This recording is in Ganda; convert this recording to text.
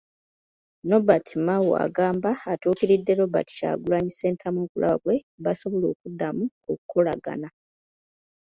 Nobert Mao agamba atuukiridde Robert Kyagulanyi Ssentamu okulaba bwe basobola okuddamu okukolagana..